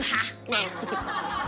なるほど。